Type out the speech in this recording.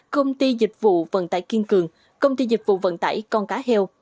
công ty dịch vụ vận tải kiên cường công ty dịch vụ vận tải con cá heo